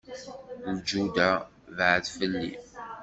Lǧuda baɛed fell-i.